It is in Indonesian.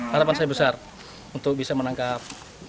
harapan saya besar untuk bisa menangkap